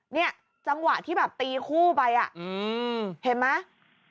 นี่จังหวะที่ตีคู่ไปเห็นไหม